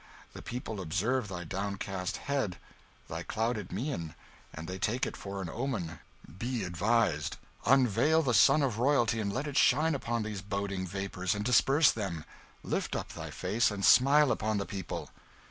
The people observe thy downcast head, thy clouded mien, and they take it for an omen. Be advised: unveil the sun of royalty, and let it shine upon these boding vapours, and disperse them. Lift up thy face, and smile upon the people."